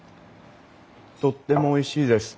とってもおいしいです。